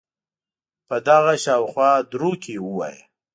په دغه شااو خوا دروکې وایه